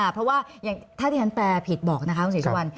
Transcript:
เพราะว่าถ้าที่ท่านแปลผิดบอกนะคะคุณศิษยาวัน